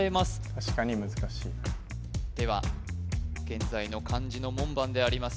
確かに難しいでは現在の漢字の門番であります